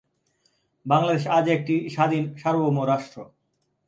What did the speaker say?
বাংলাদেশ আজ একটি স্বাধীন সার্বভৌম রাষ্ট্র।